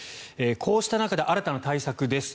こうした中で新たな対策です。